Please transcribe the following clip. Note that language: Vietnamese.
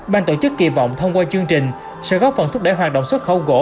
ban tổ chức kỳ vọng thông qua chương trình sẽ góp phần thúc đẩy hoạt động xuất khẩu gỗ